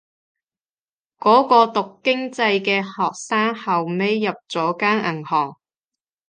嗰個讀經濟嘅學生後尾入咗間銀行